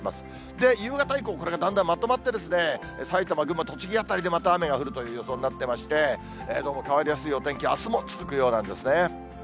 で、夕方以降、これがだんだんまとまって、埼玉、群馬、栃木辺りでまた雨が降るという予想になってまして、どうも変わりやすいお天気、あすも続くようなんですね。